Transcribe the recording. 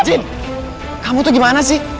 cin kamu tuh gimana sih